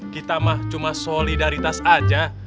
kita mah cuma solidaritas aja